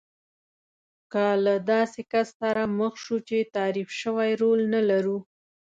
که له داسې کس سره مخ شو چې تعریف شوی رول نه لرو.